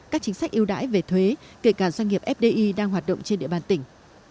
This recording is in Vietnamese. các chính sách yêu đãi về thuế kể cả doanh nghiệp fdi đang hoạt động trên địa bàn tỉnh